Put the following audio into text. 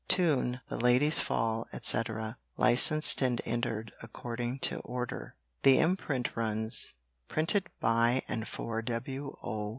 Tune, The Lady's Fall &c. Licens'd and Enter'd according to order." The imprint runs: "Printed by and for W. O.